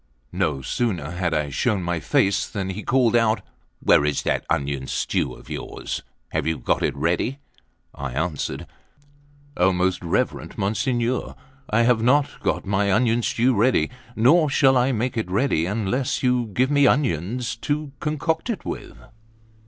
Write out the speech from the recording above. No sooner had I shown my face, than he called out: "Where is that onion stew of yours? Have you got it ready?" I answered: "O most reverend Monsignor, I have not got my onion stew ready, nor shall I make it ready, unless you give me onions to concoct it with."